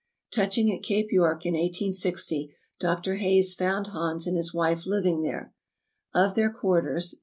Touching at Cape York in i860. Dr. Hayes found Hans and his wife living there. Of their quarters.